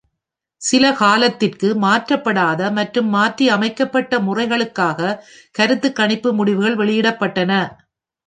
சில காலத்திற்கு, மாற்றப்படாத மற்றும் மாற்றியமைக்கப்பட்ட முறைகளுக்காக கருத்துக் கணிப்பு முடிவுகள் வெளியிடப்பட்டன.